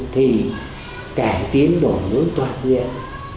thì cải tiến đổi nước toàn diện